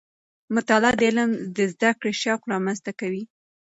مطالعه د علم د زده کړې شوق رامنځته کوي.